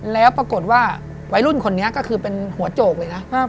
แล้วปรากฏว่าวัยรุ่นคนนี้ก็คือเป็นหัวโจกเลยนะ